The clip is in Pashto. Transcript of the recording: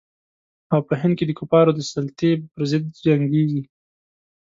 او په هند کې د کفارو د سلطې پر ضد جنګیږي.